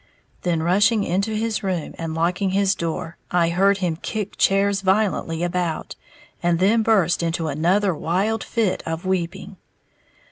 then, rushing into his room and locking his door, I heard him kick chairs violently about, and then burst into another wild fit of weeping.